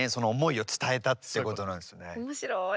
面白い。